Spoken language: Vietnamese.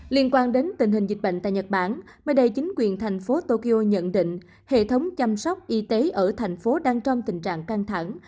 liên quan đến tình hình dịch bệnh tại nhật bản mới đây chính quyền thành phố tokyo nhận định hệ thống chăm sóc y tế ở thành phố đang trong tình trạng căng thẳng